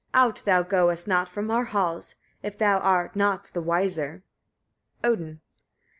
Out thou goest not from our halls, if thou art not the wiser. _Odin.